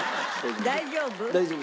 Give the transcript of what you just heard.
大丈夫？